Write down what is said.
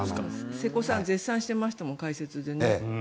瀬古さん絶賛してましたもん、解説で。